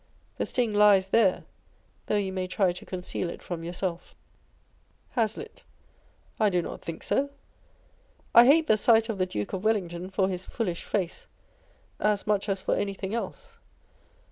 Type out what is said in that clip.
The sting lies there, though you may try to conceal it from yourself. 136 On Envy. Hazlitt. I do not think so. I hate the sight of the Duke of Wellington for his foolish face, as much as for anything else.